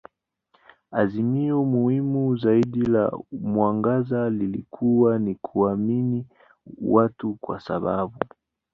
Azimio muhimu zaidi la mwangaza lilikuwa ni kuamini watu kwa sababu.